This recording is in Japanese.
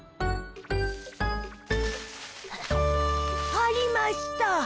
ありました！